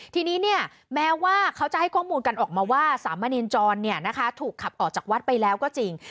ทีนี้แม้ว่าเขาจะให้ข้อมูลกันออกมาว่าสามเณรจรถูกขับออกจากวัดไปแล้วก็จริง